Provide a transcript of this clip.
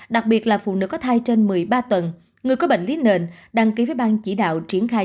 đặc biệt là phụ nữ có thai trên một mươi ba tuần người có bệnh lý nền đăng ký với bang chỉ đạo triển khai